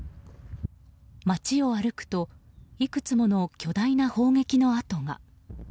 街を歩くといくつもの巨大な砲撃の跡が。